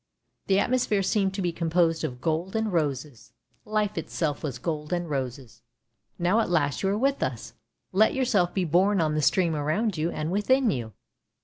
The atmosphere seemed to be composed of gold and roses — life itself was gold and roses. " Now at last you are with us ! Let yourself be borne on the stream around you and within you."